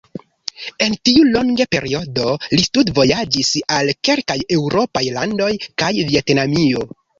En tiu longe periodo li studvojaĝis al kelkaj eŭropaj landoj kaj Vjetnamio.